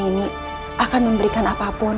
nini akan memberikan apapun